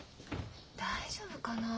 大丈夫かな？